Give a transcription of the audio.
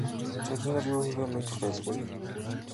Цагдаа нар юу хийхээ мэдэх байлгүй.